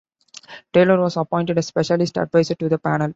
Taylor was appointed a specialist adviser to the panel.